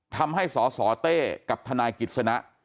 ทำให้สสเต้กับทนายกิจสนะ